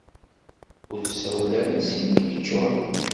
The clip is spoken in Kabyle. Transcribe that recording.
Ur ssawal ara s yimi yeččuṛen.